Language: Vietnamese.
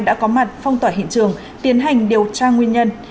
đã có mặt phong tỏa hiện trường tiến hành điều tra nguyên nhân